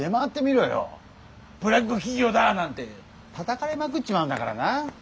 「ブラック企業だ」なんてたたかれまくっちまうんだからな。